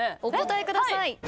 お答えください。